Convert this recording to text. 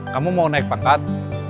kamu mau naik pangkat